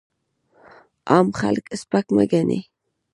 عام خلک سپک مه ګڼئ!